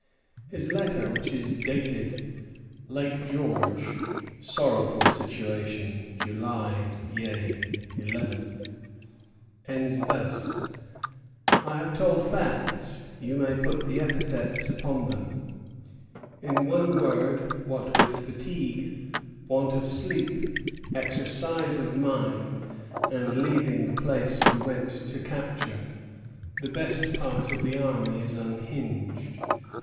His letter, which is dated "Lake George (sorrowful situation), July ye 11th," ends thus: "I have told facts; you may put the epithets upon them. In one word, what with fatigue, want of sleep, exercise of mind, and leaving the place we went to capture, the best part of the army is unhinged.